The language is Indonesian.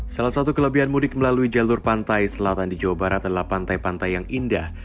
salah satu kelebihan mudik melalui jalur pantai selatan di jawa barat adalah pantai pantai yang indah